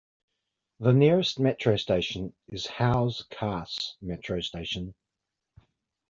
The nearest metro station is Hauz Khas metro station.